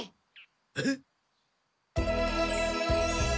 えっ？